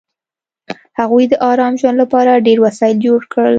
هغوی د ارام ژوند لپاره ډېر وسایل جوړ کړل